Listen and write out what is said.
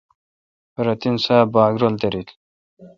پرو تین سواب باگ رل دارل۔